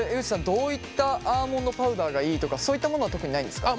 どういったアーモンドパウダーがいいとかそういったものは特にないんですか？